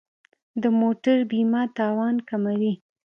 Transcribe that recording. د موټر بیمه تاوان کموي.